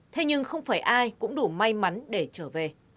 thế nhưng không phải ai cũng đủ may mắn để trở về